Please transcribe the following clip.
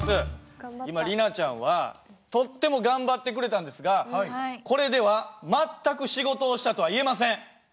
今里奈ちゃんはとっても頑張ってくれたんですがこれでは全く仕事をしたとは言えません。